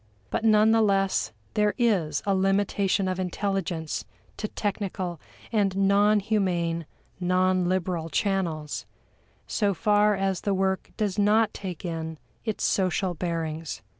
But none the less there is a limitation of intelligence to technical and non humane, non liberal channels, so far as the work does not take in its social bearings.